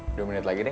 eh dua menit lagi nih